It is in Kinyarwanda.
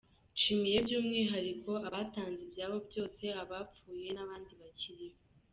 Nshimiye by’umwihariko abatanze ibyabo byose, abapfuye n’abandi bakiriho.